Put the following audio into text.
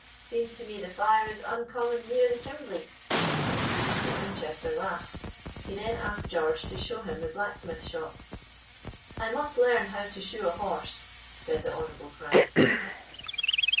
seems to me the fire is uncommon near the chimbly." Mr. Winchester laughed; he then asked George to show him the blacksmith shop. "I must learn how to shoe a horse," said the honorable Frank.